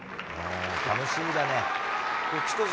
楽しみだね。